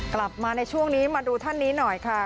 กลับมาในช่วงนี้มาดูท่านนี้หน่อยค่ะ